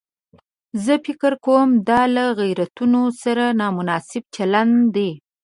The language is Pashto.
زه فکر کوم دا له غیرتونو سره نامناسب چلن دی.